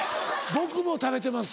僕も食べてます。